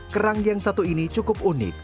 kerang yang satu ini cukup unik